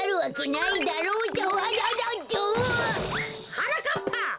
はなかっぱ！